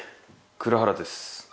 蔵原です。